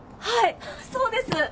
はいそうです！